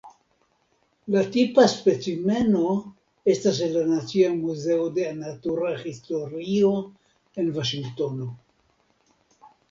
La tipa specimeno estas en la Nacia Muzeo de Natura Historio en Vaŝingtono.